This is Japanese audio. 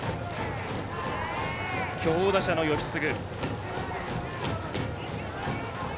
強打者の吉次。